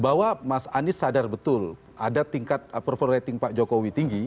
bahwa mas anies sadar betul ada tingkat approval rating pak jokowi tinggi